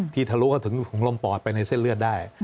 ที่ทะลุก็ถึงถึงลมปอดไปในเส้นเลือดได้